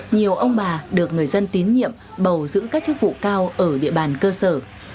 nhiều ông bà được người dân tín nhiệm bầu giữ các chức vụ cao ở địa bàn cơ sở